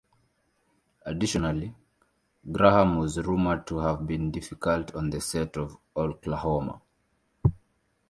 Additionally, Grahame was rumored to have been difficult on the set of Oklahoma!